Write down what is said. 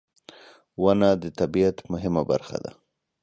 • ونه د طبیعت مهمه برخه ده.